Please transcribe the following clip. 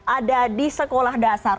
ada di sekolah dasar